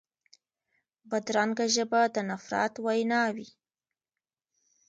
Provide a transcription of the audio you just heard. بدرنګه ژبه د نفرت وینا وي